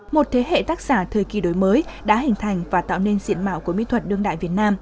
một thế hệ tác giả thời kỳ đổi mới đã hình thành và tạo nên diện mạo của mỹ thuật đương đại việt nam